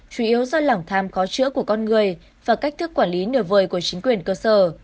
chủ yếu do lỏng tham khó chữa của con người và cách thức quản lý nửa vời của chính quyền cơ sở